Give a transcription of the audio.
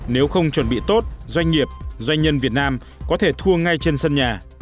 nếu không chuẩn bị tốt doanh nghiệp doanh nhân việt nam có thể thua ngay trên sân nhà